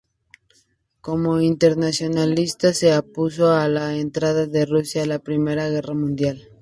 Como internacionalista se opuso a la entrada de Rusia en la Primera Guerra Mundial.